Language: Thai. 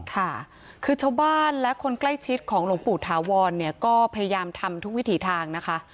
ค่ะคือชาวบ้านและคนใกล้ชิดของหลวงปู่ถาวรเนี่ยก็พยายามทำทุกวิถีทางนะคะ